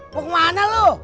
mau kemana lu